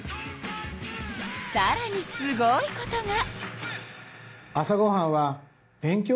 さらにすごいことが。